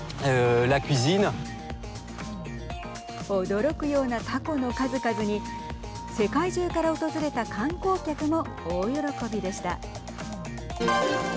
驚くような、たこの数々に世界中から訪れた観光客も大喜びでした。